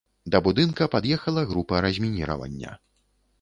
Да будынка пад'ехала група размініравання.